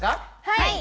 はい！